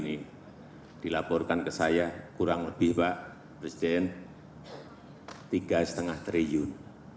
ini dilaporkan ke saya kurang lebih pak presiden rp tiga lima triliun